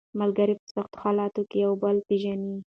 ملګري په سختو حالاتو کې یو بل پېژني